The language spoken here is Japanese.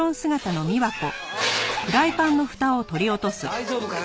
大丈夫かよ？